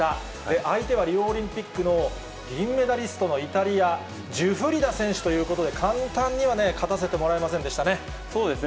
相手はリオオリンピックの銀メダリストのイタリア、ジュフリダ選手ということで、簡単には勝たせてもらえませんでしたね。